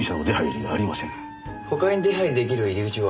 他に出入り出来る入り口は？